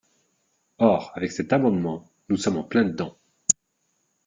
Or, avec cet amendement, nous sommes en plein dedans.